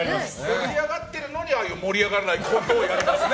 盛り上げってるのにああやって盛り上がらないことをやってる。